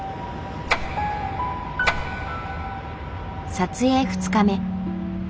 撮影２日目。